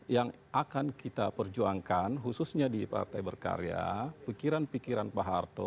kita ingin perjuangkan khususnya di partai berkarya pikiran pikiran pak harto